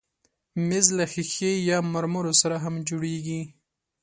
مېز له ښیښې یا مرمرو سره هم جوړېږي.